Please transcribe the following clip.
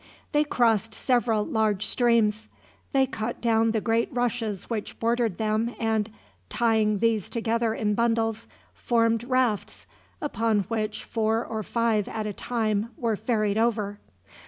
They crossed several large streams. They cut down the great rushes which bordered them and, tying these together in bundles, formed rafts, upon which four or five at a time were ferried over.